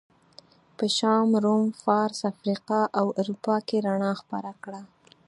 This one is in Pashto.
په شام، روم، فارس، افریقا او اروپا کې رڼا خپره کړه.